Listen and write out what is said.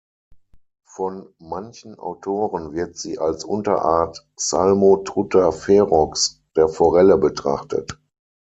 Von manchen Autoren wird sie als Unterart "Salmo trutta ferox" der Forelle betrachtet.